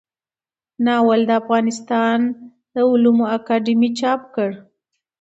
ناول د افغانستان علومو اکاډمۍ چاپ کړ.